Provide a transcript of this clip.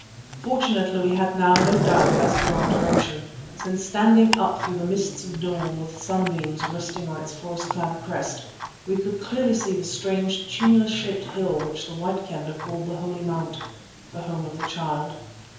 Fortunately we had now no doubt as to our direction, since standing up through the mists of dawn with the sunbeams resting on its forest clad crest, we could clearly see the strange, tumulus shaped hill which the White Kendah called the Holy Mount, the Home of the Child.